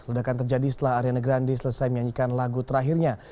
ledakan terjadi setelah ariana grandi selesai menyanyikan lagu terakhirnya